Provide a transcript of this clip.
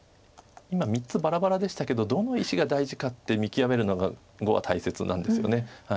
今３つばらばらでしたけどどの石が大事かって見極めるのが碁は大切なんですよね。